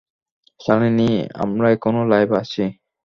শালিনী, আমরা এখনো লাইভে আছি।